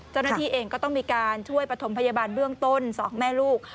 เจ้าหน้าที่เองก็ต้องมีการช่วยประถมพยาบาลเบื้องต้น๒แม่ลูก